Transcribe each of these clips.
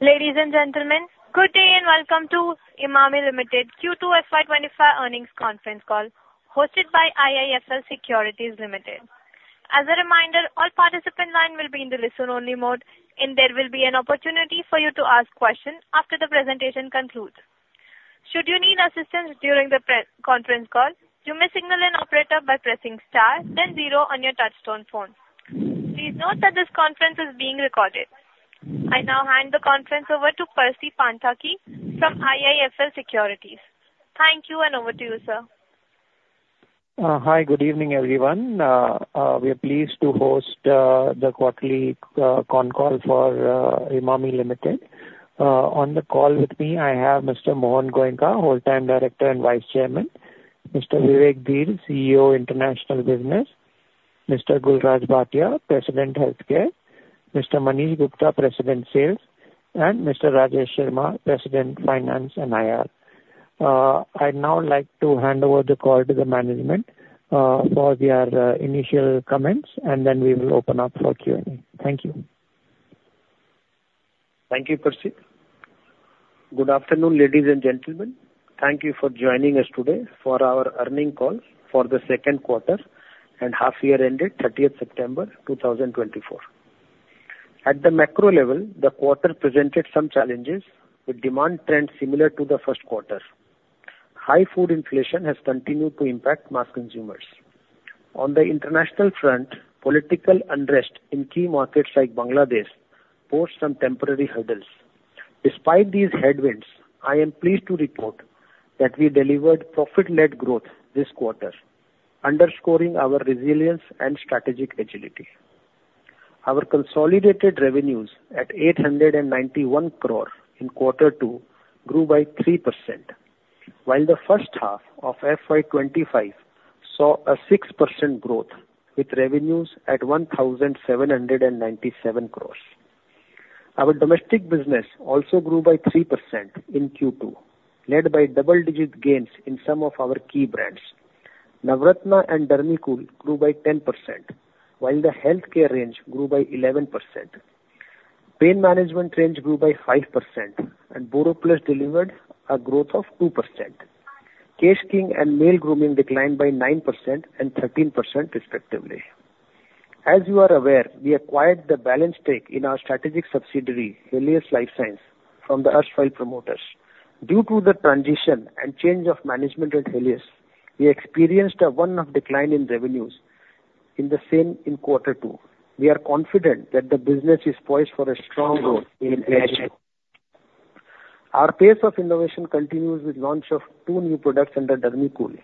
Ladies and gentlemen, good day and welcome to Emami Limited Q2 FY 2025 Earnings Conference Call hosted by IIFL Securities Limited. As a reminder, all participant lines will be in the listen-only mode and there will be an opportunity for you to ask questions after the presentation concludes. Should you need assistance during the conference call, you may signal an operator by pressing star then zero on your touch-tone phone. Please note that this conference is being recorded. I now hand the conference over to Percy Panthaki from IIFL Securities. Thank you and over to you, sir. Hi. Good evening everyone. We are pleased to host the quarterly con call for Emami Limited. On the call with me I have Mr. Mohan Goenka, Whole-time Director and Vice Chairman, Mr. Vivek Dhir, CEO International Business. Mr. Gul Raj Bhatia, President Healthcare. Mr. Manish Gupta, President, Sales and Mr. Rajesh Sharma, President, Finance and IR. I now like to hand over the call to the management for their initial comments and then we will open up. For Q&A. Thank you. Thank you, Percy. Good afternoon, ladies and gentlemen. Thank you for joining us today for our earnings call for the second quarter and half year ended 30th September 2024. At the macro level, the quarter presented some challenges with demand trends similar to the first quarter. High food inflation has continued to impact mass consumers. On the international front, political unrest in key markets like Bangladesh posed some temporary hurdles. Despite these headwinds, I am pleased to report that we delivered profit-led growth this quarter, underscoring our resilience and strategic agility. Our consolidated revenues at 891 crore in quarter two grew by 3% while the first half of FY 2025 saw a 6% growth with revenues at 1,797 crore. Our domestic business also grew by 3% in Q2 led by double-digit gains in some of our key brands. Navratna and Dermicool grew by 10% while the healthcare range grew by 11%. Pain management range grew by 5% and BoroPlus delivered a growth of 2%. Kesh King and male grooming declined by 9% and 13% respectively. As you are aware, we acquired the balance stake in our strategic subsidiary Helios Lifestyle from the erstwhile promoters. Due to the transition and change of management at Helios, we experienced a one-off decline in revenues in the same quarter two. We are confident that the business is poised for a strong growth in our pace of innovation continues with launch of two new products under Dermicool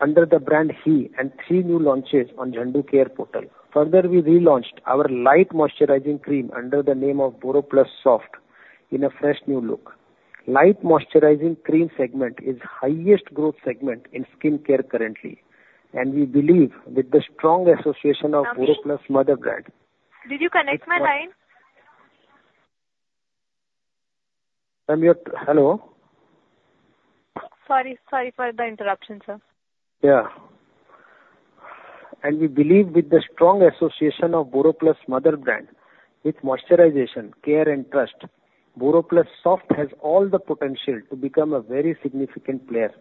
under the brand HE and three new launches on Zanducare Portal. Further, we relaunched our light moisturizing cream under the name of BoroPlus Soft in a fresh new look. Light moisturizing cream segment is highest growth segment in skin care currently and we believe with the strong association of BoroPlus mother brand. Did you connect my line? Hello. Sorry for the interruption, sir. Yeah, and we believe with the strong association of BoroPlus mother brand with moisturization, care and trust, BoroPlus Soft has all the potential to become a very significant player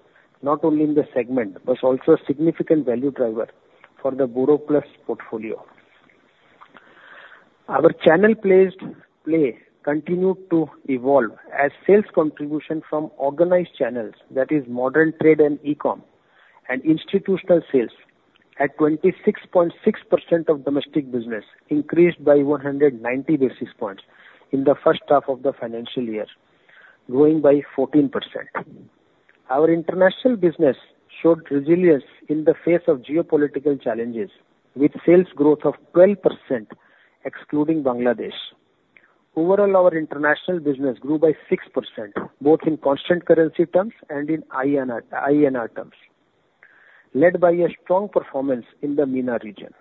not only in the segment but also a significant value driver for the BoroPlus portfolio. Our channel continued to evolve as sales contribution from organized channels i.e. modern trade and e-com and institutional sales at 26.6% of domestic business increased by 190 basis points in the first half of the financial year, growing by 14%. Our international business showed resilience in the face of geopolitical challenges with sales growth of 12% excluding Bangladesh. Overall, our international business grew by 6% both in constant currency terms and in INR terms, led by a strong performance in the MENA region.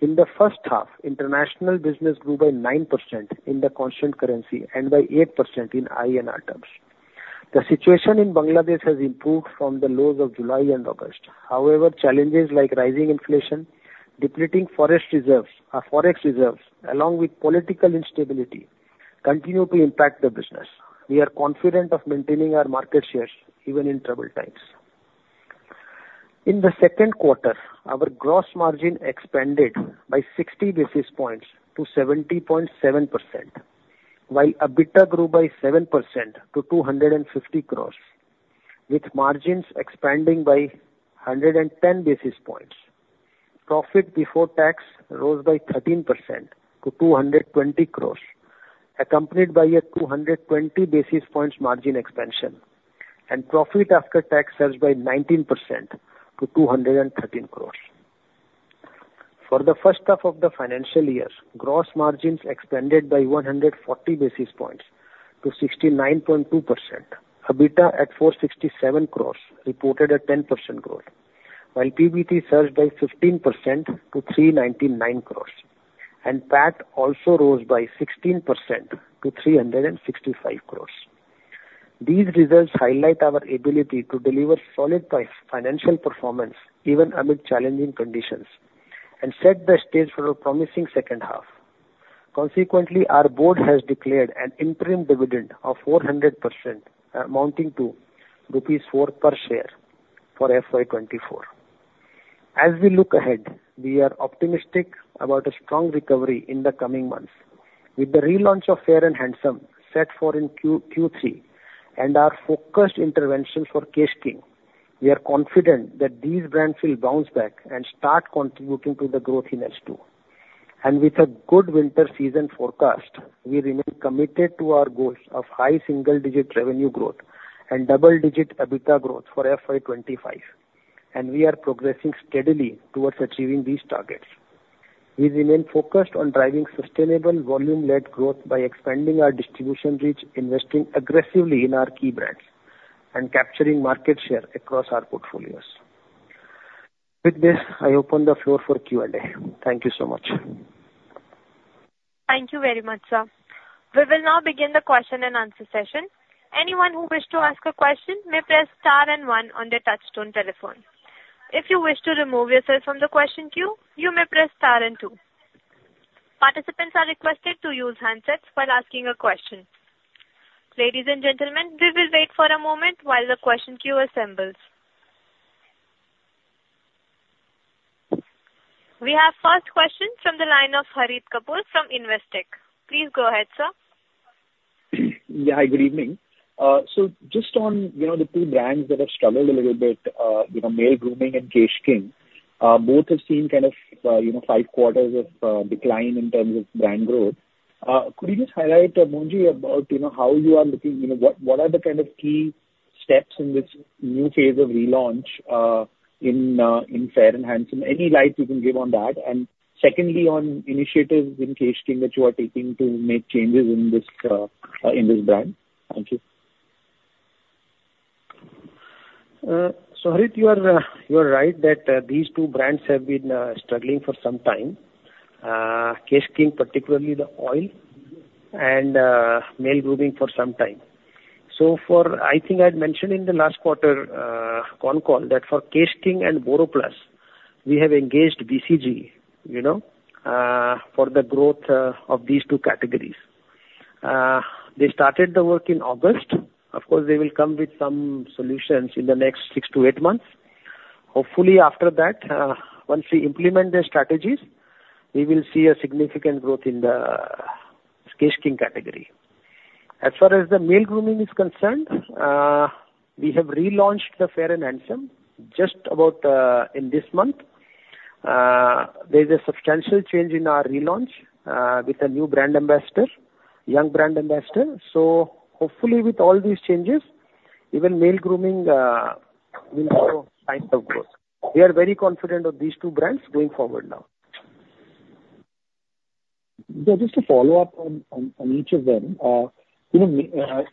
In the first half, international business grew by 9% in the constant currency and by 8% in INR terms. The situation in Bangladesh has improved from the lows of July and August. However, challenges like rising inflation, depleting forest reserves, Forex reserves along with political instability continue to impact the business. We are confident of maintaining our market share even in troubled times. In the second quarter, our gross margin expanded by 60 basis points to 70.7% while EBITDA grew by 7% to 250 crores with margins expanding by 110 basis points. Profit before tax rose by 13% to 220 crores accompanied by a 220 basis points margin expansion and profit after tax rose by 19% to 213 crores. For the first half of the financial year, gross margins expanded by 140 basis points to 69.2%. EBITDA at 467 crores reported a 10% growth while PBT surged by 15% to 399 crores and PAT also rose by 16% to 365 crores. These results highlight our ability to deliver solid financial performance even amid challenging conditions and set the stage for a promising second half. Consequently, our board has declared an interim dividend of 400% amounting to rupees 4 per share for FY 2024. As we look ahead, we are optimistic about a strong recovery in the coming months with the relaunch of Fair and Handsome set for in Q3 and our focused interventions for Kesh King. We are confident that these brands will bounce back and start contributing to the growth in H2, and with a good winter season forecast, we remain committed to our goals of high single digit revenue growth and double-digit EBITDA growth for FY 2025 and we are progressing steadily towards achieving these targets. We remain focused on driving sustainable volume led growth by expanding our distribution reach, investing aggressively in our key brands and capturing market share across our portfolios. With this, I open the floor for Q&A. Thank you so much. Thank you very much, sir. We will now begin the question-and-answer session. Anyone who wish to ask a question may press star and one on their touch-tone telephone. If you wish to remove yourself from the question queue, you may press star and two. Participants are requested to use handsets while asking a question. Ladies and gentlemen, we will wait for a moment while the question queue assembles. We have first question from the line of Harit Kapoor from Investec. Please go ahead, sir. Hi, good evening. Just on, you know, the two brands that have struggled a little bit. You know male grooming and Kesh King both have seen kind of, you know, five quarters of decline in terms of brand growth. Could you just highlight, Mohan, about you. Now, how you are looking, you know what, what are the kind of key. Steps in this new phase of relaunch. In Fair and Handsome, any light you can give on that? And secondly on initiatives in Kesh King that you are taking to make changes in this brand. Thank you. Harit, you are right that these two brands have been struggling for some time, Kesh King, particularly the oil and male grooming for some time. I think I had mentioned in the last quarter con call that for Kesh King and BoroPlus we have engaged BCG, you know, for the growth of these two categories. They started the work in August. Of course, they will come with some solutions in the next six to eight months. Hopefully after that once we implement their strategies, we will see a significant growth in the Kesh King category as far as the male grooming is concerned. We have relaunched the Fair and Handsome just about in this month. There is a substantial change in our relaunch with a new brand ambassador, young brand ambassador. Hopefully with all these changes, even male grooming will show signs of growth. We are very confident of these two brands going forward now. Just to follow-up on each of them.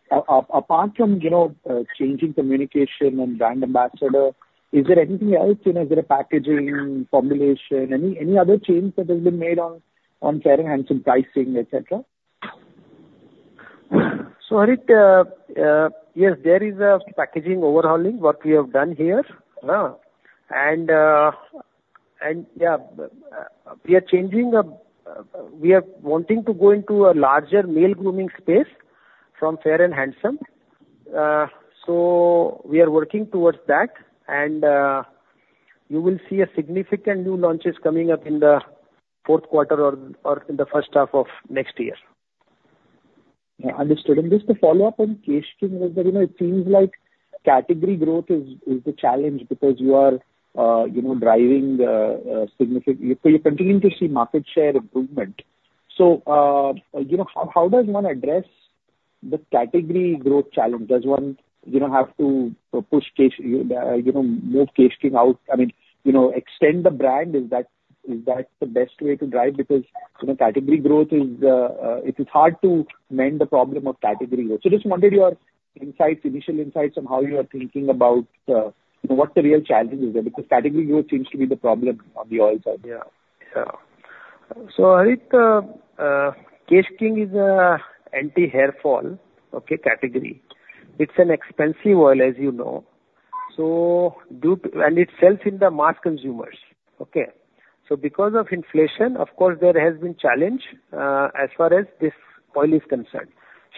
Apart from, you know, changing communication and brand ambassador, is there anything else, you know, is there a packaging formulation, any, any other change that has been made on Fair and Handsome pricing etc. So yes, there is a packaging overhauling what we have done here. And yeah, we are changing. We are wanting to go into a larger male grooming space from Fair and Handsome. So we are working towards that and you will see a significant new launches coming up in the fourth quarter or in the first half of next year. Understood. And just to follow up on Kesh King, it seems like category growth is the. Challenge because you are, you know, driving significant, you're continuing to see market share improvement. So you know, how does one address? The category growth challenge? Does one, you know, have to push, you know, move Kesh King out? I mean, you know, extend the brand? Is that, is that the best way to drive? Because you know, category growth is, it's hard to mend the problem of category growth. Just wanted your insights, initial insights on how you are thinking about what the real challenges? Because category growth seems to be the problem on the oil side. Yeah. So Kesh King is an anti-hair fall. Okay. Category. It's an expensive oil as you know, so due to and it sells in the mass consumers. Okay. So because of inflation of course there has been challenge as far as this oil is concerned.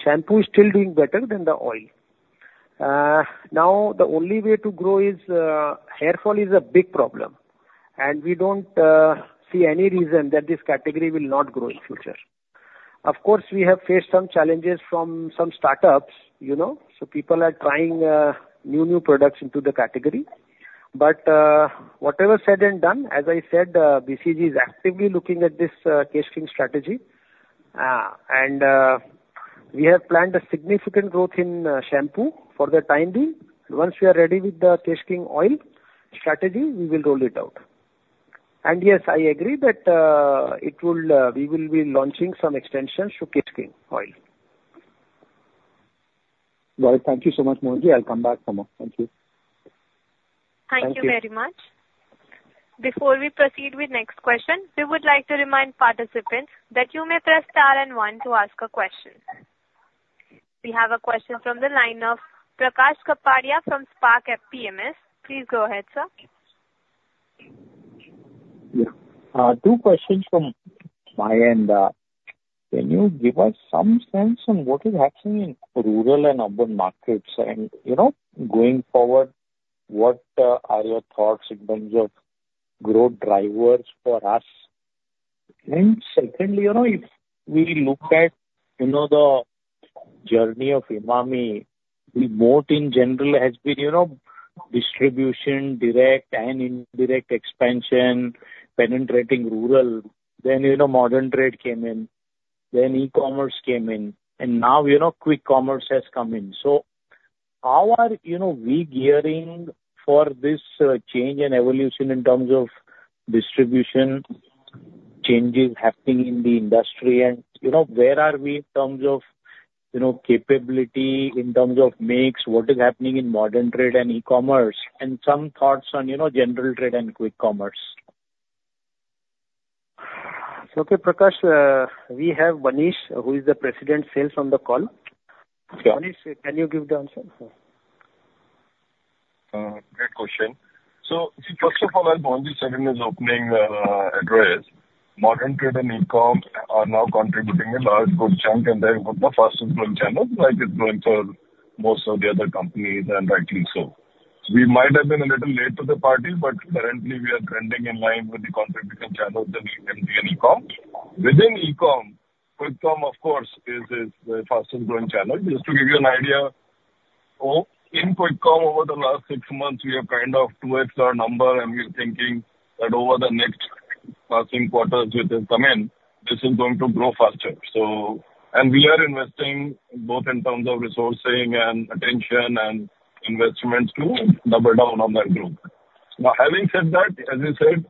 Shampoo is still doing better than the oil. Now the only way to grow is. Hair fall is a big problem and. We don't see any reason that this category will not grow in future. Of course we have faced some challenges from some startups, you know, so people are trying new products into the category. But whatever said and done, as I said, BCG is actively looking at this Kesh King strategy and we have planned a significant growth in shampoo for the time being. Once we are ready with the Kesh King oil strategy, we will roll it out and yes, I agree that it will, we will be launching some extensions to Kesh King oil. Right. Thank you so much Mohan. I'll come back for more. Thank you. Thank you very much. Before we proceed with next question we would like to remind participants that you may press star and one to ask a question. We have a question from the line of Prakash Kapadia from Spark PWM. Please go ahead, sir. Two questions from my end. Can you give us some sense on what is happening in rural and urban markets and you know, going forward, what are your thoughts in terms of growth drivers for us? And secondly, you know, if we look at, you know, the journey of Emami route in general has been, you know, distribution, direct and indirect expansion, penetrating rural. Then you know, modern trade came in, then e-commerce came in and now you know, quick commerce has come in so how are we gearing for this change and evolution in terms of distribution changes happening in the industry and where are we in terms of capability, in terms of makes? What is happening in modern trade and e-commerce? And some thoughts on general trade and quick commerce. Okay, Prakash, we have Manish, who is the President of Sales on the call. Can you give the answer? Great question. So first of all, as Mohan said in his opening address, modern trade and ECOM are now contributing a large good chunk, and they're the fastest growing channels like it's going for most of the other companies and rightly so. We might have been a little late to the party, but currently we are trending in line with the contribution channels and MG and ECOM within ECOM, Quick Com of course is the fastest growing channel. Just to give you an idea, in Quick Com over the last six months we have kind of 2x our number and we're thinking that over the next quarters which has come in, this is going to grow faster. So. We are investing both in terms of resourcing and attention and investments to double down on that group. Now having said that, as you said,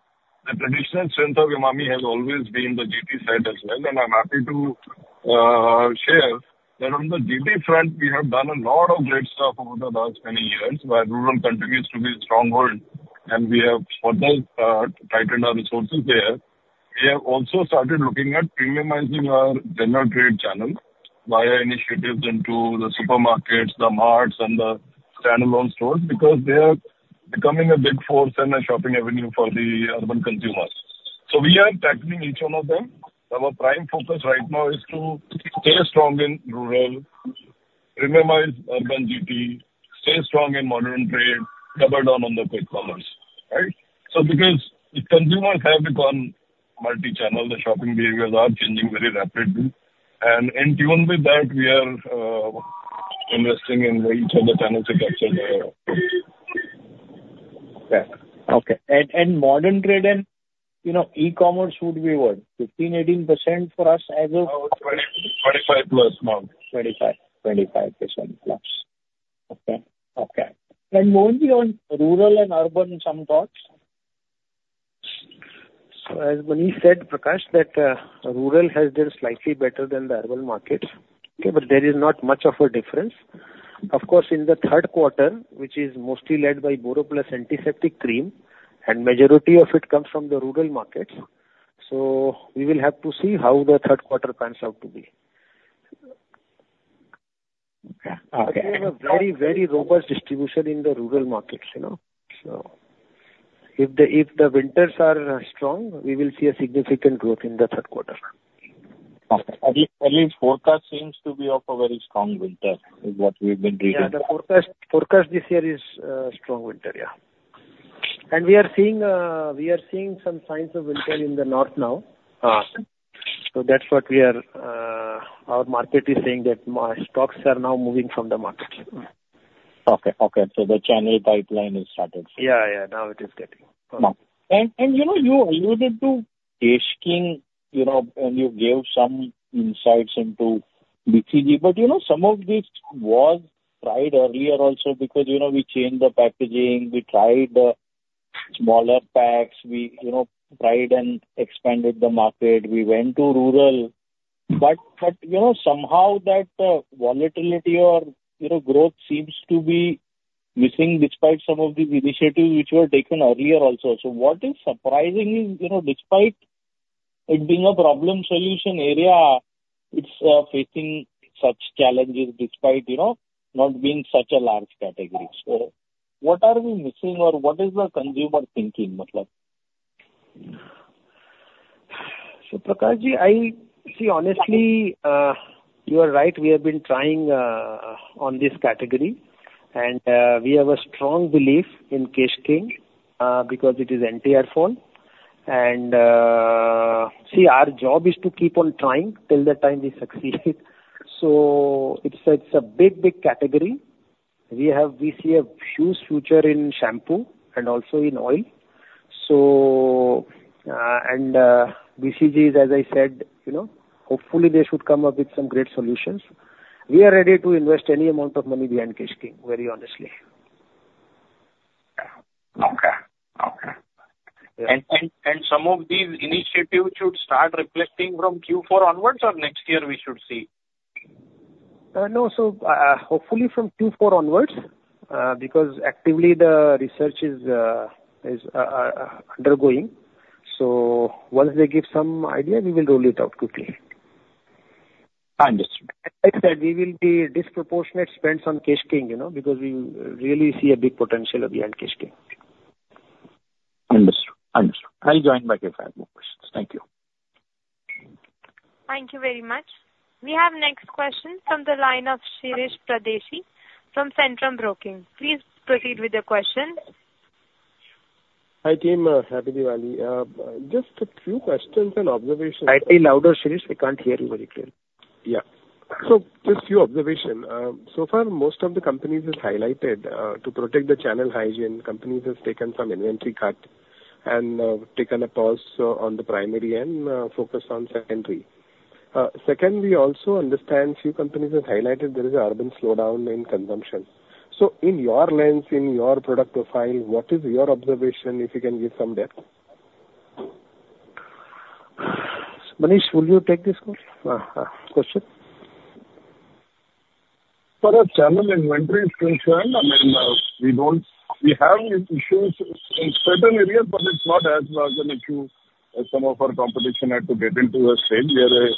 the traditional strength of Emami has always been the GT side as well. I'm happy to share that on the GT front we have done a lot of great stuff over the last many years where rural continues to be a stronghold and we have tightened our resources there. We have also started looking at premiumizing our general trade channel via initiatives into the supermarkets, the marts and the standalone stores because they are becoming a big force and a shopping avenue for the urban consumers. We are tackling each one of them. Our prime focus right now is to stay strong in rural, minimize urban GT, stay strong in modern trade, double down on the e-commerce. Right. Because consumers have become multi-channel, the shopping behaviors are changing very rapidly. In tune with that, we are investing in each of the channels to general trade. Okay and modern trade. You know, e-commerce would be what, 15%-18% for us as of 25%, 25%+. Okay. Okay. More on rural and urban, some thoughts. So as Manish said, Prakash, that rural has been slightly better than the urban market. Okay. But there is not much of a difference of course in the third quarter which is mostly led by BoroPlus Antiseptic Cream and majority of it comes from the rural markets. So we will have to see how the third quarter pans out to be. We have a very, very robust distribution in the rural markets. You know, so if the winters are strong. We will see a significant growth in the third quarter. At least forecast seems to be of a very strong winter is what we've been reading. Forecast this year is strong winter. Yeah. We are seeing, we are seeing some signs of winter in the north now. That's what we are. Our market is saying that my stocks are now moving from the market. Okay. So the channel pipeline is started. Yeah, yeah. Now it is getting. And you know you alluded to Kesh King, you know, and you gave some insights into BCG. But you know some of this was tried earlier also because you know we changed the packaging, we tried the smaller packs. We, you know, tried and expanded the market. We went to rural. But. But you know, somehow that volatility or you know, growth seems to be missing despite some of these initiatives which were taken earlier also. So what is surprising is, you know, despite it being a problem solution area, it's facing such challenges despite, you know, not being such a large category. So what are we missing or what is the consumer thinking? Prakash, I see. Honestly, you are right. We have been trying on this category and we have a strong belief in Kesh King because it is anti-hair fall. And see, our job is to keep on trying till the time we succeed. It's a big, big category. We have. We see a huge future in shampoo and also in oil. And BCGs, as I said, you know, hopefully they should come up with some great solutions. We are ready to invest any amount of money behind Kesh King very honestly. Okay. Some of these initiatives should start reflecting from Q4 onwards or next year. We should see. No. So hopefully from Q4 onwards because actively the research is undergoing. So once they give some idea we will roll it out quickly. Understood. Like I said we will be disproportionate spends on Kesh King, you know, because we really see a big potential of Kesh King. Understood. I'll join back if I have more questions. Thank you. Thank you very much. We have next question from the line of Shirish Pardeshi from Centrum Broking. Please proceed with your question. Hi team, Happy Diwali. Just a few questions and observations. We can't hear you very clearly. Yeah. Just a few observations so far. Most of the companies is highlighted to protect the channel hygiene. Companies have taken some inventory cut and taken a pause on the primary and focused on secondary. Second, we also understand few companies have highlighted there is an urban slowdown in consumption. So in your lens, in your product profile, what is your observation if you can give some depth? Manish, will you take this question? For as channel inventory is concerned. We have issues in certain areas, but it's not as large an issue. Some of our competition had to get into a stage. We are a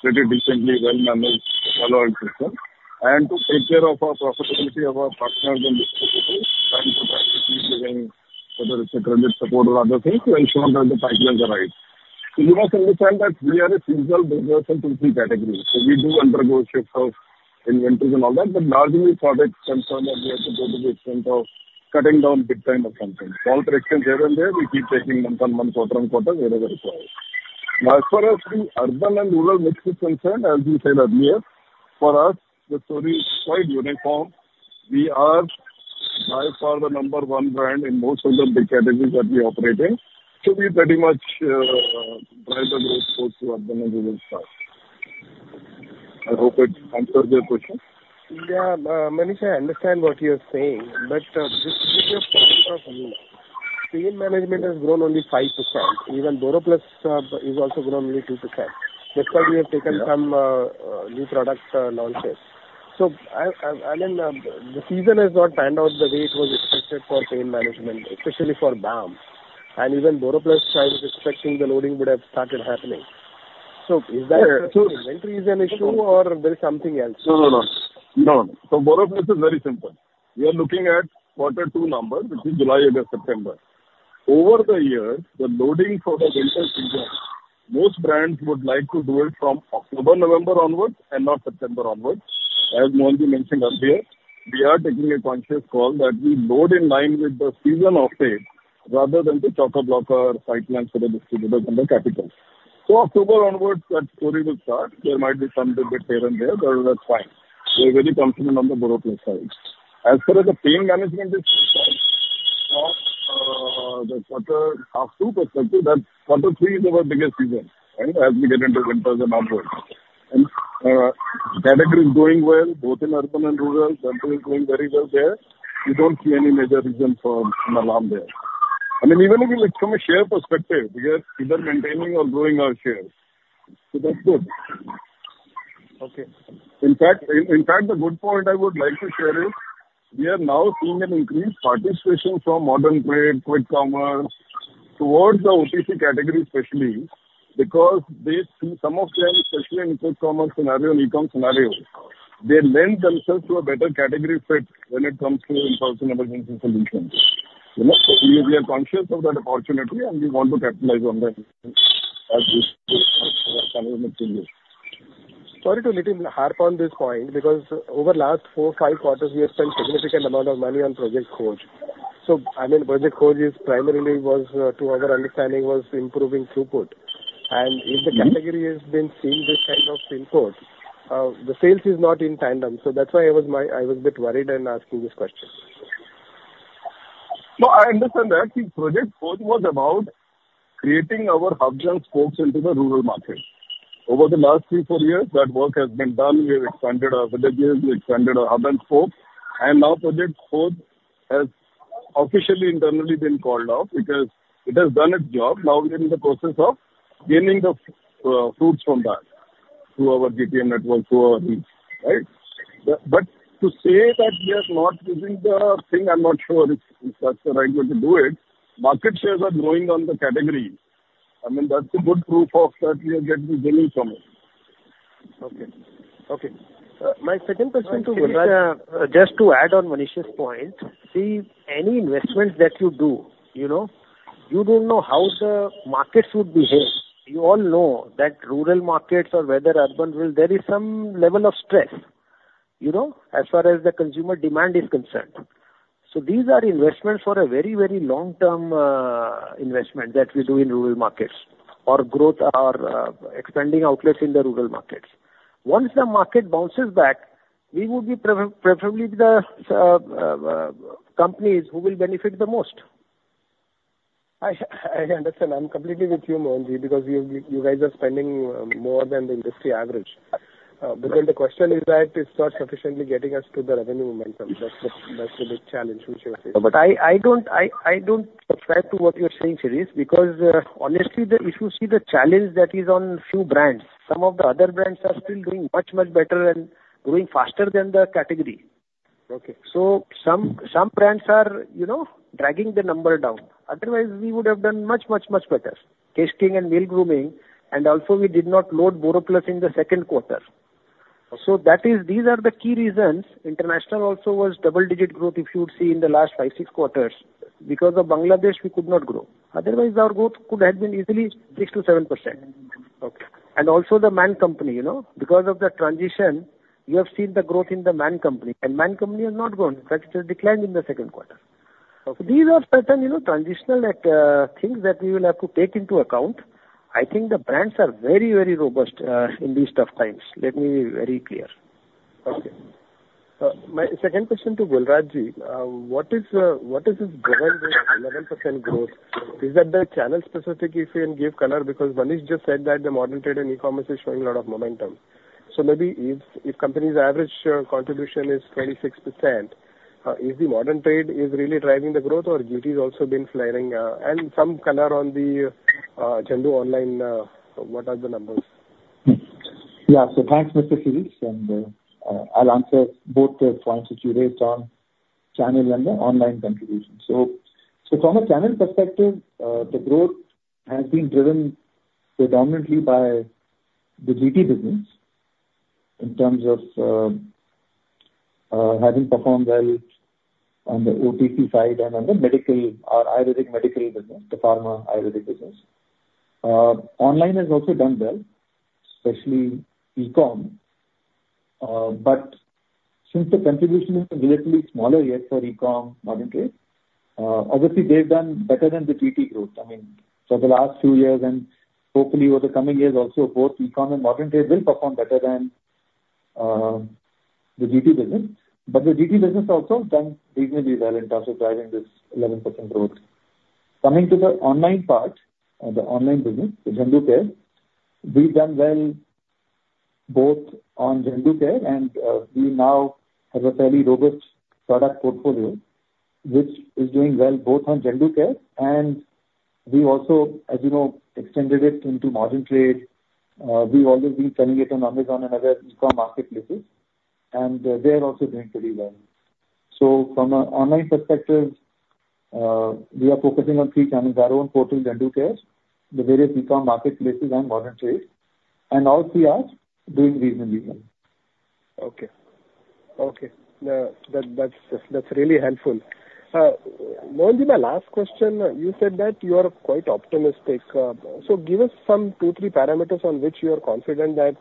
pretty decently well managed system and to take care of our profitability of our partners. Whether it's a credit support or other things to ensure that the pipelines are right. You must understand that we are a seasonal business into three categories. So we do undergo shifts of inventories and all that. But largely, we have confirmed that we have not had to go to the extent of cutting down big time or something. Course corrections here and there. We keep taking month on month, quarter on quarter wherever required. As far as the urban and rural mix is concerned, as we said earlier, for us the story is quite uniform. We are by far the number one brand in most of the big categories that we operate in. So we pretty much drive the growth. I hope it answers your question. Yeah, Manish, I understand what you're saying, but pain management has grown only 5%. Even BoroPlus has also grown only 2%. That's why we have taken some new product launches. So, alone, the season has not panned as the way it was expected for pain management especially for balm and even oil I was expecting the loading would have started happening. So is the inventory an issue or is there something else? No, no, no. Basics are very simple. We are looking at quarter two number which is July, August, September over the years the loading for the General Trade most brands would like to do it from October, November onwards and not September onwards. As Mohan mentioned earlier we are taking a conscious call that we load in line with the season of demand rather than the quarterly stockist plan for the distributors and the capital for October onwards that story will start. There might be some bit here and there but that's fine. We're very confident on the BoroPlus side as far as the pain management is concerned. The quarter two perspective that quarter three is our biggest season and as we get into winters and onwards and category is going well both in urban and rural. Country is doing very well there. You don't see any major reason for an alarm there. I mean even if you look from a share perspective we are either maintaining or growing our shares. Okay. In fact, the good point I would like to share is we are now seeing an increased participation from modern trade Quick Commerce towards the OTC category especially because they see some of them especially in Quick Commerce scenario they lend themselves to a better category fit when it comes to impulsion emergency solutions. We are conscious of that opportunity and we want to capitalize on that. Sorry to harp on this point because over last four five quarters we have spent significant amount of money on Project Khoj. So I mean Project Khoj is primarily was to our understanding was improving throughput. And if the category has been seeing this kind of input, the sales is not in tandem. So that's why I was a bit worried and asked previous question. No, I understand that Project Khoj was about creating our hub and spokes into the rural market. Over the last three, four years that work has been done. We have expanded our villages, we expanded our hub and spokes and now Project Khoj has officially internally been called off because it has done its job. Now we're in the process of gaining the fruits from that through our GTN network through our. Right, but to say that we are not using the thing, I'm not sure if that's the right way to do it. Market shares are growing on the category. I mean that's a good proof of that we are getting. Okay, okay. My second question... Just to add on Manish's point. See any investments that you do, you know, you don't know how the markets would behave. You all know that rural markets or weather, urban, rural, there is some level of stress, you know, as far as the consumer demand is concerned. So these are investments for a very, very long term investment that we do in rural markets or growth or expanding outlets in the rural markets. Once the market bounces back, we would be preferably the companies who will benefit the most. I understand. I'm completely with you Mohan because you guys are spending more than the industry average. Because the question is that it's not sufficiently getting us to the revenue momentum. That's the big challenge. But I don't subscribe to what you're saying Shirish, because honestly if you see the challenge that is on few brands, some of the other brands are still doing much, much better and growing faster than the category. Okay, so some, some brands are you know, dragging the number down. Otherwise we would have done much, much, much better in the skincare and men's grooming. And also we did not load BoroPlus in the second quarter. So that is, these are the key reasons. International also was double-digit growth. If you would see in the last five, six quarters because of Bangladesh we could not grow otherwise our growth could have been easily 6%-7%. Okay. Also The Man Company, you know, because of the transition you have seen the growth in The Man Company and Man Company has not grown, in fact, it declined in the second quarter. So these are certain, you know, transitional things that we will have to take into account. I think the brands are very, very robust in these tough times. Let me be very clear. Okay, my second question to Gul Raj. What is this 11% growth? Is that channel-specific if you can give color because Manish just said that the modern trade and e-commerce is showing a lot of momentum. So maybe if company's average contribution is 26% is the modern trade really driving the growth or GT has also been faring and some color on the Zandu online. What are the numbers? Yeah, so thanks Mr. Shirish and I'll answer both the points that you raised on channel and the online contribution. So from a channel perspective, the growth has been driven predominantly by the GT business in terms of having performed well on the OTC side and on the medical or ayurvedic medical business. The pharma ayurvedic business online has also done well, especially e-com but since the contribution is relatively smaller yet for e-com modern trade, obviously they've done better than the GT growth. I mean for the last few years and hopefully over the coming years also both e-com and modern trade will perform better than the GT business. But the GT business also done reasonably well in terms of driving this 11% growth. Coming to the online part, the online business, we've done well both on Zanducare and we now have a fairly robust product portfolio which is doing well both on Zanducare. And we also, as you know, extended it into modern trade. We always been selling it on Amazon and other ecommerce marketplaces and they're also doing pretty well. So from an online perspective we are focusing on three channels. Our own portal, Zanducare, the various e-com marketplaces and modern trade and all are doing reasonably well. Okay, okay, that's really helpful. Mohan, my last question, you said that. You are quite optimistic. So give us some two, three parameters on which you are confident that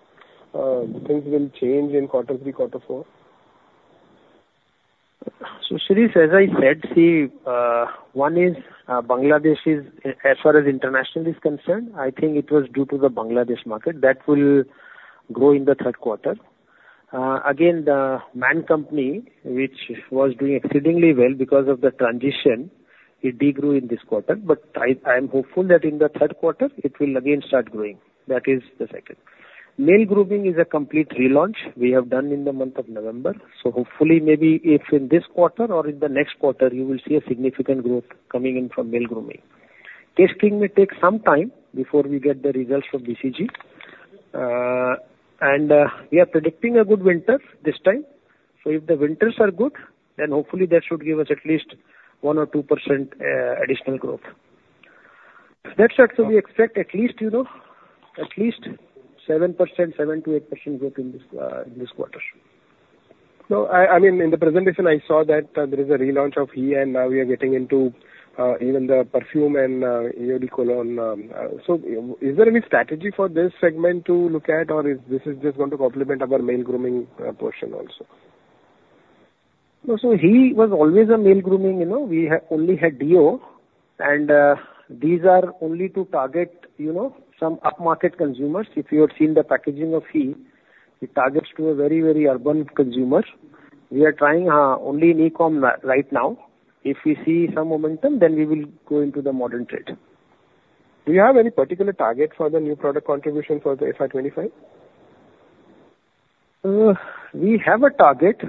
things will change in quarter three, quarter four? So Shirish, as I said, see, one is Bangladesh. As far as international is concerned, I think it was due to the Bangladesh market that will grow in the third quarter. Again The Man Company which was doing exceedingly well because of the transition, it degrow in this quarter. But I am hopeful that in the third quarter it will again start growing. That is the second. Male grooming is a complete relaunch we have done in the month of November. So hopefully maybe if in this quarter or in the next quarter you will see a significant growth coming in from male grooming segment. It may take some time before we get the results from BCG and we are predicting a good winter this time. So if the winters are good, then hopefully that should give us at least 1 or 2% additional growth. That said, so we expect at least, you know, at least 7%-8% growth in this, in this quarter. No, I mean in the presentation I saw that there is a relaunch of HE and now we are getting into even the perfume and cologne. So is there any strategy for this segment to look at or is this just going to complement our male grooming portion also? So HE was always a male grooming. You know, we have only HE and these are only to target, you know, some upmarket consumers. If you have seen the packaging of HE, it targets to a very, very urban consumer. We are trying only ECOM right now. If we see some momentum, then we will go into the modern trade. Do you have any particular target for the new product contribution for the FY 2025? We have a target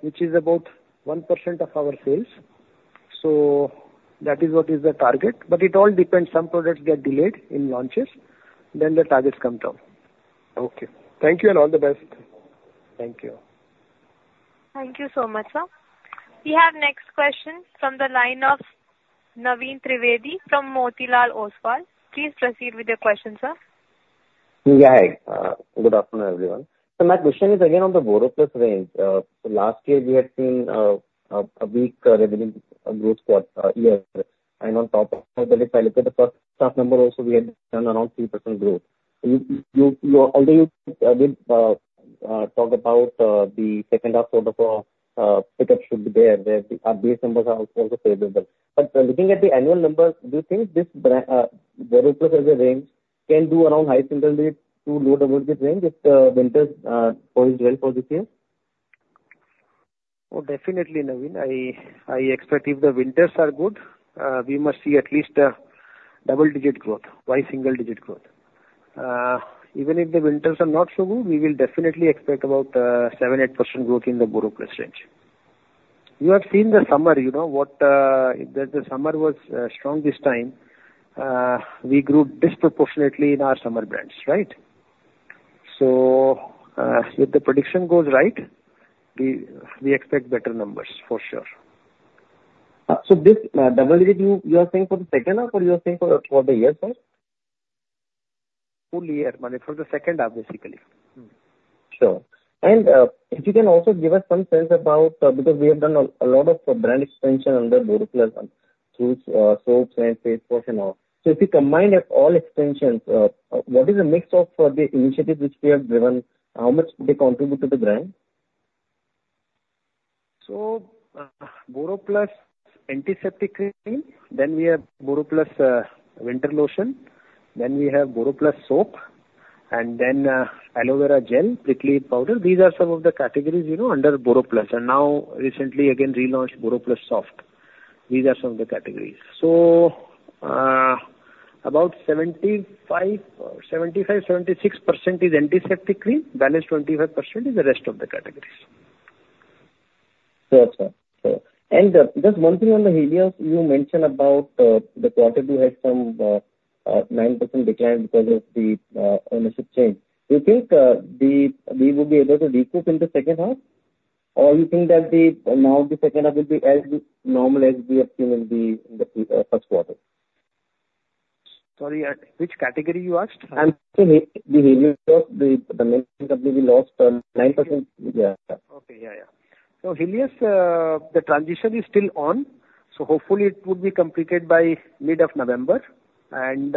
which is about 1% of our sales. So that is what is the target. But it all depends. Some products get delayed in launches, then the targets come down. Okay, thank you and all the best. Thank you. Thank you so much. Sir, we have next question from the line of Naveen Trivedi from Motilal Oswal. Please proceed with your question, sir. Good afternoon everyone. So my question is again on the BoroPlus range. So last year we had seen a weak revenue growth year. And on top of that, if I look at the first half number also we had done around 3% growth. Although you did talk about the second half, sort of a pickup should be there where these numbers are also favorable. But looking at the annual numbers, do you think this can do around high single-digits to low double-digit range if the winter performs well for this year? Oh, definitely. Naveen. I. I expect if the winters are good, we must see at least a double digit growth. Why single digit growth? Even if the winters are not so good, we will definitely expect about 7%-8% growth in the BoroPlus range. You have seen the summer. You know what the. The summer was strong this time. We grew disproportionately in our summer brands. Right. So if the prediction goes right, we. We expect better numbers for sure. So this double digit, you. You are saying for the second half or you are saying for the year, sir? Full year, Naveen. For the second half basically. Sure. And if you can also give us some sense about because we have done a lot of brand expansion under BoroPlus Soaps and face wash and all. So if you combine all extensions, what is the mix of the initiatives which we have driven, how much they contribute to the brand? BoroPlus Antiseptic Cream, then we have BoroPlus Winter Lotion, then we have BoroPlus Soap and then aloe vera gel prickly powder. These are some of the categories, you know, under BoroPlus and now recently again relaunched BoroPlus Soft. These are some of the categories. So about 75, 76% is Antiseptic Cream balanced. 25% is the rest of the categories. Just one thing on the Helios you mentioned about the quarter two had some 9% decline because of the ownership change. Do you think we will be able to recoup in the second half or you think that now the second half will be as normal as the FP will be in the first quarter? Sorry, which category you asked? 9%. Helios. The transition is still on, so hopefully it would be completed by mid of November and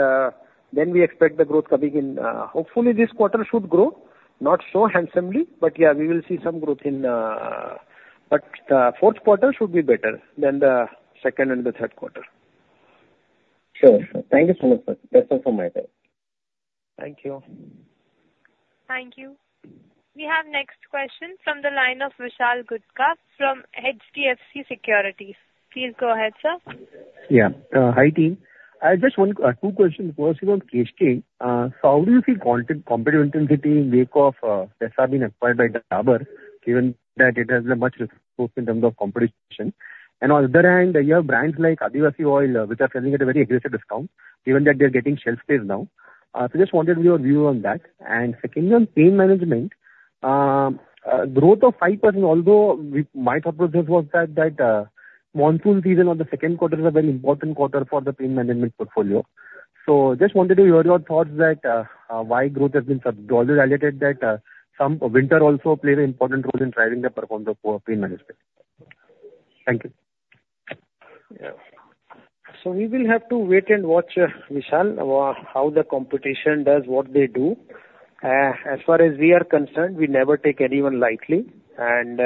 then we expect the growth coming in. Hopefully this quarter should grow not so handsomely, but yeah, we will see some growth in. But the fourth quarter should be better than the second and the third quarter. Sure. Thank you so much. That's all for my time. Thank you. Thank you. We have next question from the line of Vishal Gutka from HDFC Securities. Please go ahead, sir. Yeah. Hi team. I just want two questions. First around Kesh King and so how do you see competitive intensity in the wake of Sesa being acquired by Dabur given that it has much in terms of competition and on the other hand you have brands like Adivasi Oil which are selling at a very aggressive discount given that they're getting shelf space now. So just wanted your view on that. And, secondly, on pain management, growth of 5%. Although my thought process was that monsoon season, or the second quarter, is a very important quarter for the pain management portfolio. So just wanted to hear your thoughts. That's why growth has been subdued. Always highlighted that some winters also play the important role in driving the performance of pain management. Thank you. We will have to wait and watch, Vishal, how the competition does what they do. As far as we are concerned, we never take anyone lightly, and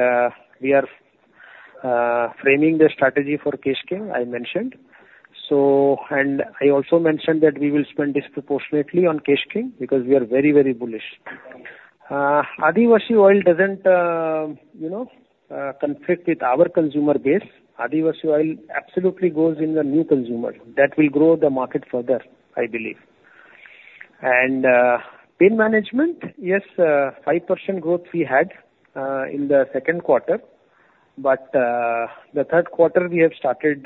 we are framing the strategy for Kesh King. I mentioned so. I also mentioned that we will spend disproportionately on Kesh King because we are very, very bullish. Adivasi Oil doesn't, you know, conflict with our consumer base. Adivasi Oil. Absolutely. Goes in the new consumer. That will grow the market further, I believe. Pain Management, yes, 5% growth we had in the second quarter, but the third quarter we have started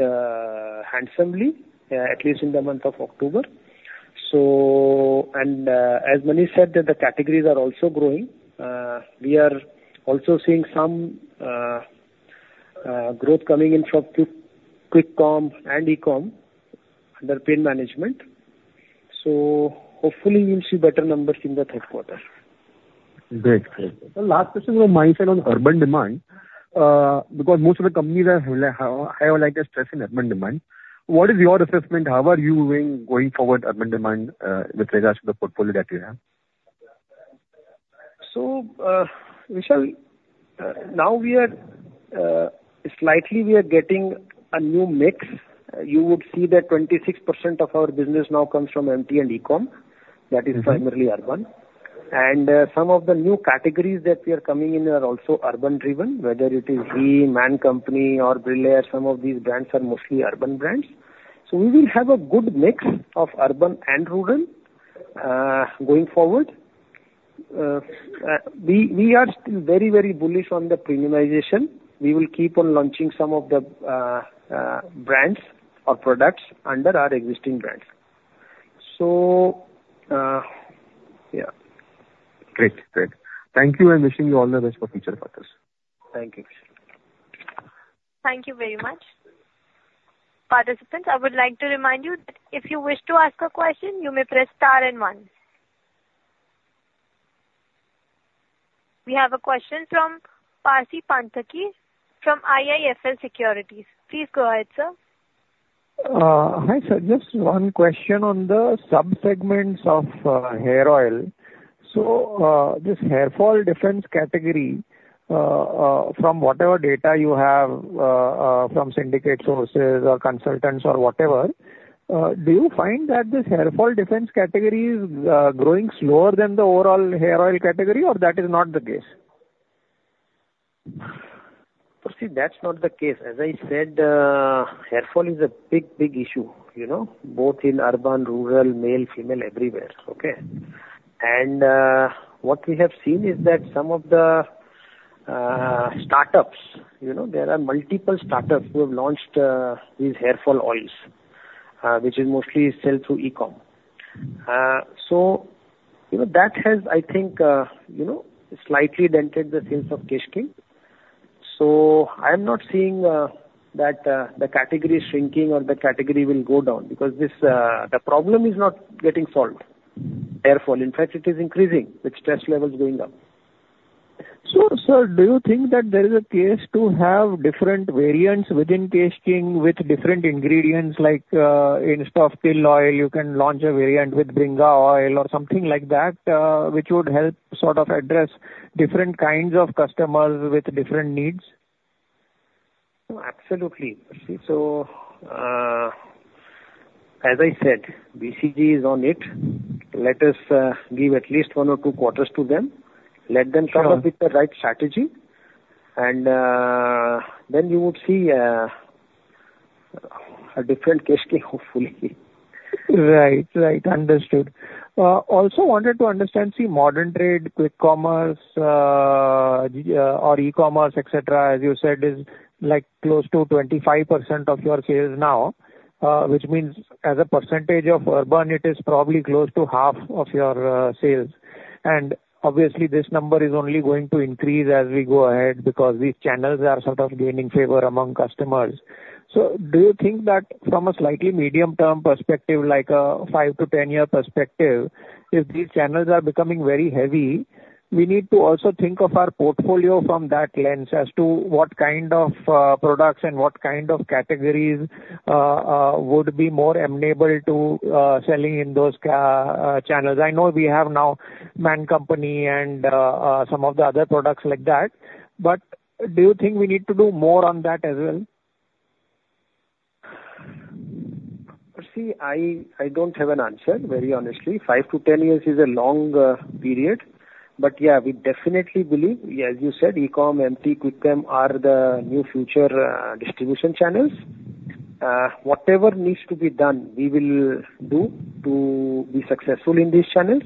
handsomely, at least in the month of October. As Manish said, the categories are also growing. We are also seeing some growth coming in from quick commerce and e-com under pain management. Hopefully we'll see better numbers in the third quarter. Great. The last question from my side on urban demand because most of the companies are facing stress in urban demand. What is your assessment? How are you seeing urban demand going forward with regards to the portfolio that you have? So Vishal, now we are slightly. We are getting a new mix. You would see that 26% of our business now comes from Emami and ECOM that is primarily urban. And some of the new categories that we are coming in are also urban driven. Whether it is The Man Company or Brillare. Some of these brands are mostly urban brands. So we will have a good mix of urban and rural going forward. We are still very, very bullish on the premiumization. We will keep on launching some of the brands or products under our existing brands. So yeah. Great, great. Thank you and wishing you all the best for future quarters. Thank you. Thank you very much. Participants, I would like to remind you that if you wish to ask a question, you may press star then one. We have a question from Percy Panthaki from IIFL Securities. Please go ahead, sir. Hi sir, just one question on the sub segments of hair oil. So this hair fall defense category, from whatever data you have from syndicate sources or consultants or whatever, do you find that this hair fall defense category is growing slower than the overall hair oil category or that is not the case? See, that's not the case. As I said, hair fall is a big, big issue, you know, both in urban, rural, male, female, everywhere. Okay. And what we have seen is that some of the startups, you know, there are multiple startups who have launched these hair fall oils which is mostly sell through ECOM. So that has, I think, you know, slightly dented the sales of Kesh King. So I am not seeing that the category shrinking or the category will go down because this, the problem is not getting solved. Therefore in fact it is increasing with stress levels going up. So do you think that there is a case to have different variants within Kesh King with different ingredients like instead of til oil you can launch a variant with bhringraj or something like that which would help sort of address different kinds of customers with different needs? Absolutely. So. As I said, BCG is on it. Let us give at least one or two quarters to them, let them come up with the right strategy and then you would see a different case hopefully. Right, right. Understood. Also wanted to understand, see modern trade, quick commerce or e-commerce etc as you said is like close to 25% of your sales now. Which means as a percentage of urban it is probably close to half of your sales. And obviously this number is only going to increase as we go ahead because these channels are sort of gaining favor among customers. So do you think that from a slightly medium-term perspective, like a five-to-ten-year perspective, if these channels are becoming very heavy, we need to also think of our portfolio from that lens as to what kind of products and what kind of categories would be more amenable to selling in those channels. I know we have now Man Company and some of the other products like that, but do you think we need to do more on that as well? See, I don't have an answer very honestly. 5 to 10 years is a long period. But yeah, we definitely believe as you said ECOM MT Quick Com are the new future distribution channels. Whatever needs to be done, we will do to be successful in this channel.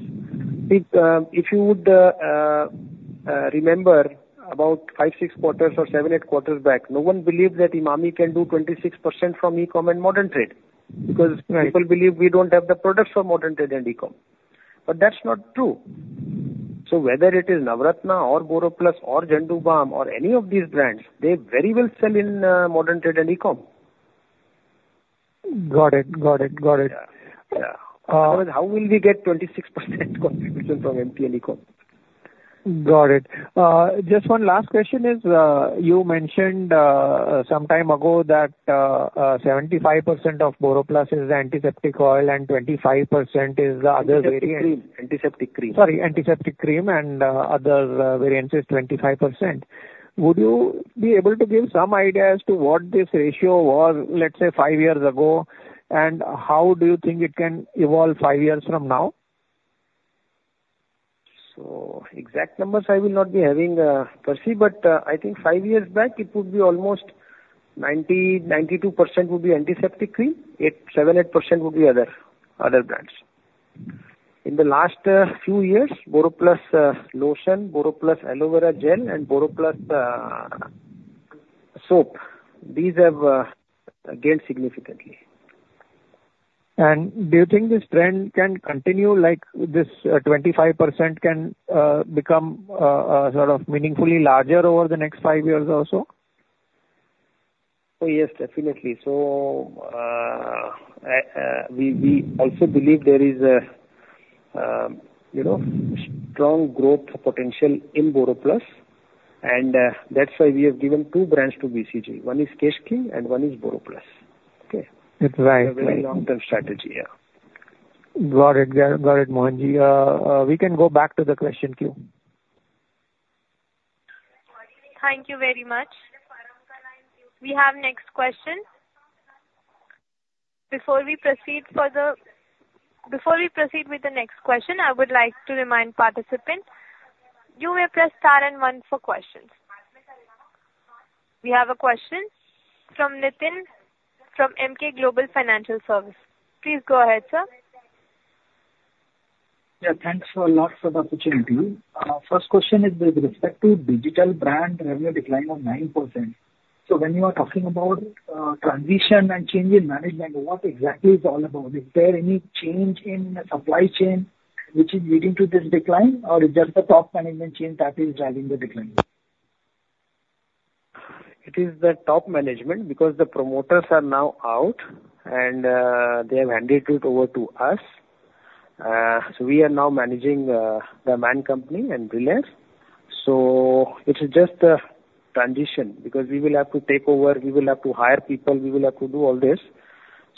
If you would remember about five, six, seven or eight years back, no one believes that Emami can do 26% from ECOM and modern trade because people believe we don't have the products for modern trade and E Com but that's not true. So whether it is Navratna or BoroPlus or Zandu Balm or any of these brands, they very well sell in modern trade and ECOM. Got it. How will we get 26% contribution from MT & E? Got it. Just one last question is you mentioned some time ago that 75% of BoroPlus is antiseptic oil and 25% is the other variant... Antiseptic cream. Sorry, Antiseptic Cream and other variants. 25%. Would you be able to give some idea as to what this ratio was, let's say, five years ago, and how do you think it can evolve five years from now? So, exact numbers I will not be having, Percy, but I think five years back it would be almost 90%-92% would be Antiseptic Cream. 7%-8% would be other brands in the last few years. BoroPlus lotion, BoroPlus Aloe Vera gel and BoroPlus Soap. These have gained significantly. Do you think this trend can continue like this? 25% can become sort of meaningfully larger over the next five years or so. Oh yes, definitely. So. We also believe there is a strong growth for potential in BoroPlus and that's why we have given two brands to BCG. One is Kesh King and one is BoroPlus. Okay, that's right. Mohan. We can go back to the question queue. Thank you very much. We have next question before we proceed further. Before we proceed with the next question I would like to remind participants you may press star and one for questions. We have a question from Nitin from Emkay Global Financial Services. Please go ahead sir. Yeah, thanks a lot for the opportunity. First question is with respect to digital brand revenue decline of 9% so when you are talking about transition and change in management. What exactly is it all about? Is there any change in supply chain which is leading to this decline or is there the top management change that is driving the decline? It is the top management because the promoters are now out and they have handed it over to us. So we are now managing The Man Company and Brillare. So it is just the transition because we will have to take over, we will have to hire people, we will have to do all this.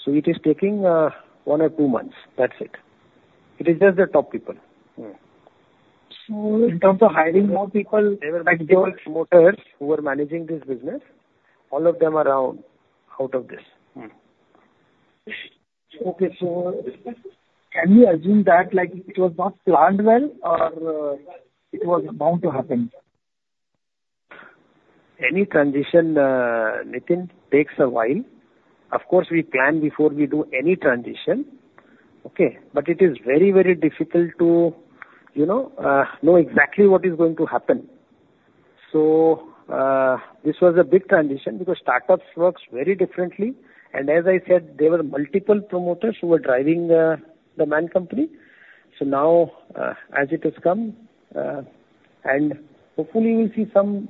So it is taking one or two months. That's just the top people. So in terms of hiring more people, managers who are managing this business, all of them are now out of this. Okay, so can we assume that like it was not planned well or it was bound to happen. Any transition. Nitin takes a while. Of course we plan before we do any transition. Okay. But it is very very difficult to you know, know exactly what is going to happen. So this was a big transition because startups works very differently and as I said there were multiple promoters who were driving the The Man Company. So now as it has come and hopefully we see some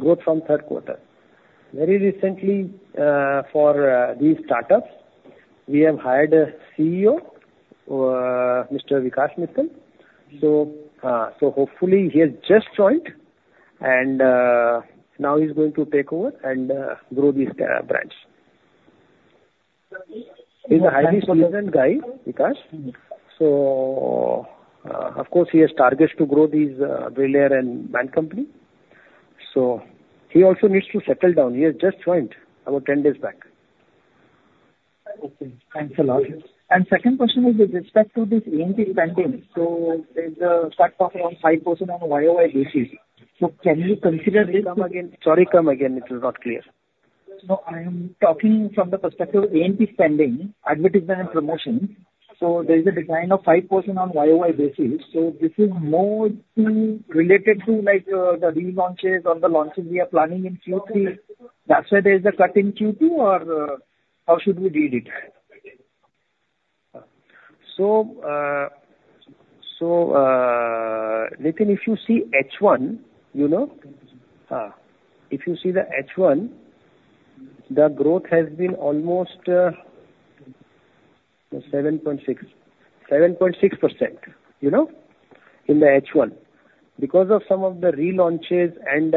growth from third quarter. Very recently for these startups we have hired a CEO Mr. Vikas Mittal. So hopefully he has just joined and now he's going to take over and grow this brands. He's a highly experienced guy so of course he has targets to grow these Brillare and Man Company. So he also needs to settle down. He has just joined about 10 days back. Okay, thanks a lot. Second question is with respect to this spending so there's a flat of around 5% on YoY basis. So can you construe this again? Sorry, come again, it is not clear. No, I am talking from the perspective of spending on advertisement and promotion. So there is a decline of 5% on YoY basis. So this is more related to like the relaunches and the launches we are planning in Q3. That's why there's the cut in Q2 or how should we read it? So. So Nitin, if you see H1, you know, if you see the H1 the growth has been almost 7.6, 7.6% you know, in the H1 because of some of the relaunches and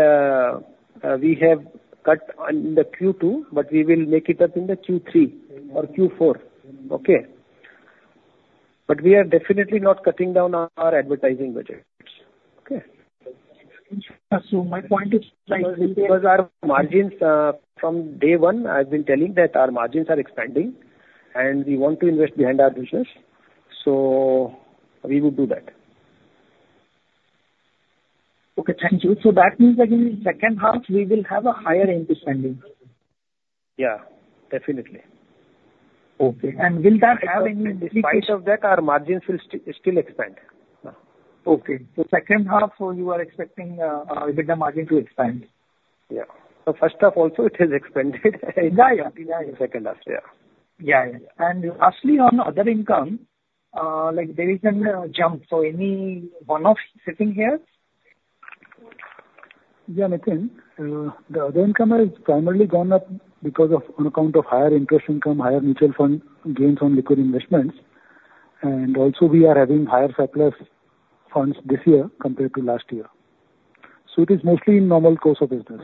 we have cut in the Q2 but we will make it up in the Q3 or Q4. Okay. But we are definitely not cutting down our advertising budget. Okay. Margins. From day one I've been telling that our margins are expanding and we want to invest behind our business. So we would do that. Okay, thank you. So that means that in second half we will have a higher interest rate expanding. Yeah, definitely. Okay. Will that have any of that? Our margins will still expand. Okay. The second half. So you are expecting EBITDA margin to expand. Yeah. So, first half also it has expanded. Second half last year. Yeah. And lastly on other income like there is a jump. So, anyone sitting here? Yeah, Nitin, the other income has primarily gone up because of on account of higher interest income, higher mutual fund gains on liquid investments. And also we are having higher surplus funds this year compared to last year. So it is mostly in normal course of business.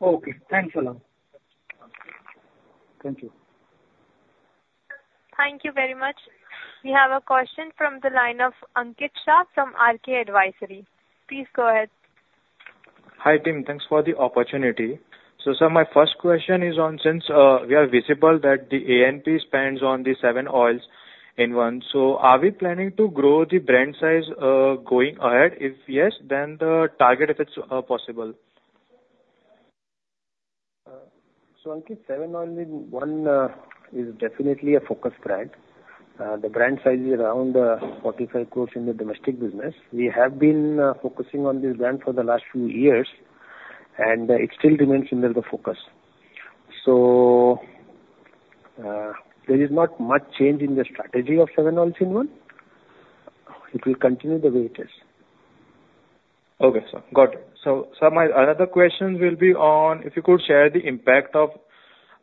Okay, thanks a lot. Thank you. Thank you very much. We have a question from the line of Ankit Shah from RK Advisory. Please go ahead. Hi, team, thanks for the opportunity. So sir, my first question is on. Since it's visible that the ad spends on the 7 Oils in One. So are we planning to grow the brand size going ahead? If yes, then the target, if it's possible. Ankit, 7 Oils in One is definitely a focus brand. The brand size is around 45 crores in the domestic business. We have been focusing on this brand for the last few years and it still remains under the focus. So. There is not much change in the strategy of 7 Oils in One. It will continue the way it is. Okay, so got it. So my other questions will be on if you could share the impact of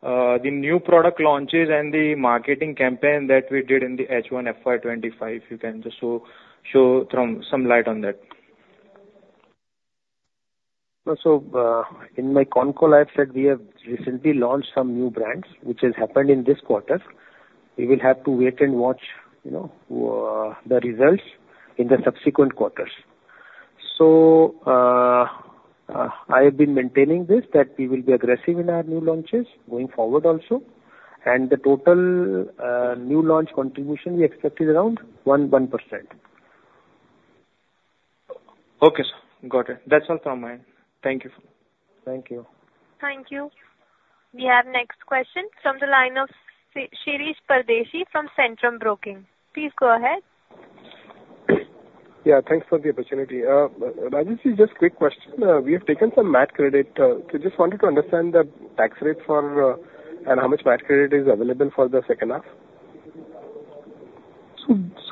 the new product launches and the marketing campaign that we did in the H1 FY 2025. Can you just shed some light on that? So in our consumer lifestyle we have recently launched some new brands which has happened in this quarter. We will have to wait and watch, you know, the results in the subsequent quarters. So I have been maintaining this that we will be aggressive in our new launches going forward also. And the total new launch contribution we expect is around 11%. Okay, got it. That's all from mine. Thank you. Thank you. Thank you. We have next question. Question from the line of Shirish Pardeshi from Centrum Broking. Please go ahead. Yeah, thanks for the opportunity. Rajesh has just a quick question. We have taken some MAT credit. Just wanted to understand the tax rate for and how much MAT credit is available for the second half.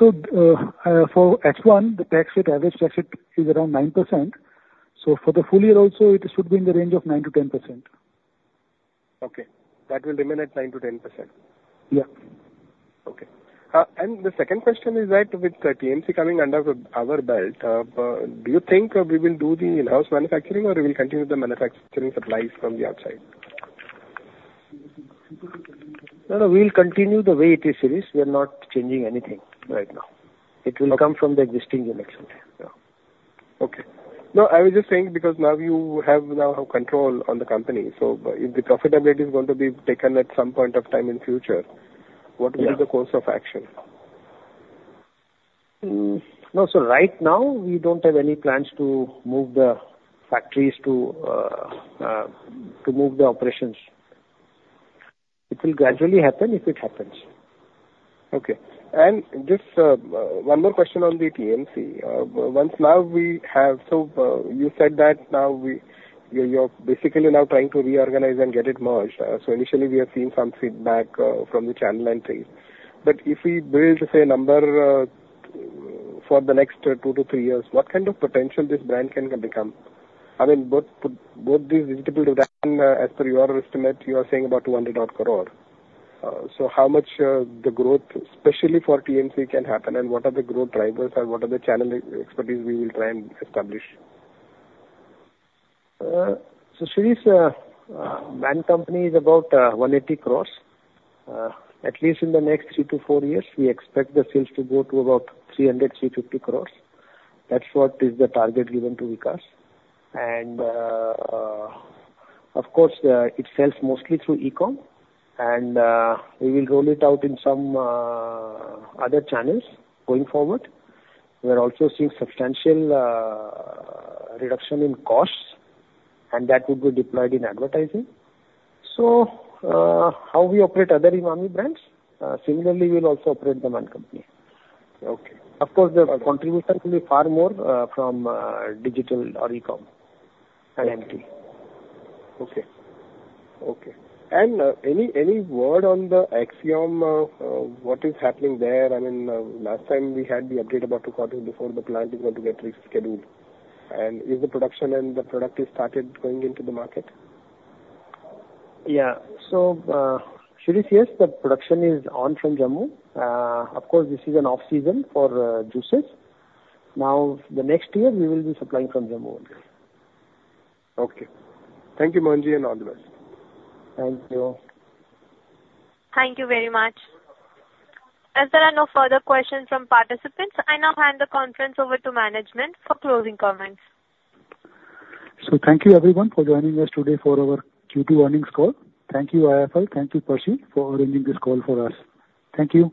So for H1 the tax rate, average tax rate is around 9%. So for the full year also it would be in the range of 9%-10%. Okay. That will remain at 9%-10%. Yeah. Okay. The second question is that with TMC coming under our belt do you think we will do the in house manufacturing or we will continue the manufacturing supplies from the outside? We will continue the way it is. We are not changing anything right now. It will come from the existing generation. Okay. No, I was just saying because now you have control on the company. So if the profitability is going to be taken at some point of time in future what will be the course of action? No. So right now we don't have any plans to move the factories to move the operations. It will gradually happen if it happens. Okay. And just one more question on the team we now have. So you said that now you're basically trying to reorganize and get it merged. So initially we have seen some feedback from the channel and things. But if we build, say, number four the next two to three years, what kind of potential this brand can become. I mean both these digital division as per your estimate you are saying about 200-odd crore. So how much the growth especially for TMC can happen and what are the growth drivers or what are the channel expertise we will try and establish? The Man Company is about 180 crores at least in the next three to four years. We expect the sales to go to about 300-350 crores. That's what is the target given to Vikas. And of course it sells mostly through E-com and we will roll it out in some other channels going forward. We're also seeing substantial reduction in costs and that would be deployed in advertising. So how we operate other Emami brands similarly we will also operate The Man Company. Of course, the contribution will be far more from digital or e-com and MT. Okay. Okay. And any. Any word on the Axiom, what is happening there? I mean, last time we had the update about to before the plant is going to get rescheduled, and is the production and the product started going into the market? Yeah, so yes, the production is on from Jammu. Of course. This is an off-season for juices now. The next year we will be supplying from them only. Okay. Thank you, Mohan. All the best. Thank you. Thank you very much. As there are no further questions from participants, I now hand the conference over to management for closing comments. So thank you everyone for joining us today for our Q2 earnings call. Thank you IIFL thank you for arranging this call for us. Thank you.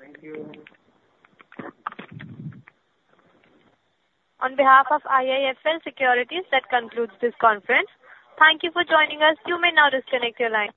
Thank you. On behalf of IIFL Securities. That concludes this conference. Thank you for joining us. You may now disconnect your line.